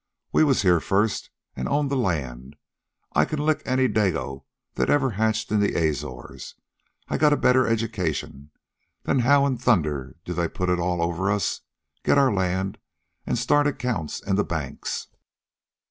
'We was here first, an' owned the land. I can lick any Dago that ever hatched in the Azores. I got a better education. Then how in thunder do they put it all over us, get our land, an' start accounts in the banks?'